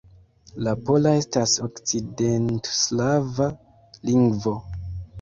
La pola estas okcidentslava lingvo.